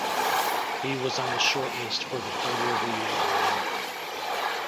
He was on the short list for the "Fighter of the Year" award.